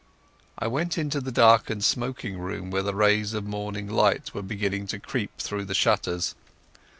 I went into the darkened smoking room where the rays of morning light were beginning to creep through the shutters.